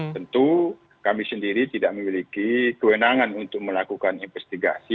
tentu kami sendiri tidak memiliki kewenangan untuk melakukan investigasi